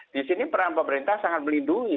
disini peran pemerintah sangat melindungi